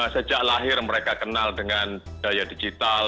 sejak lahir mereka kenal dengan daya digital